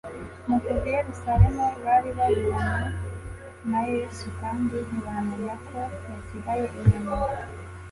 Mu kuva i Yerusalemu bari baburanye na Yesu, kandi ntibamenya ko yasigaye inyuma